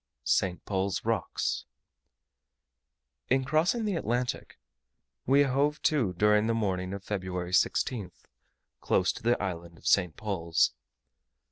ST. PAUL'S ROCKS. In crossing the Atlantic we hove to during the morning of February 16th, close to the island of St. Paul's.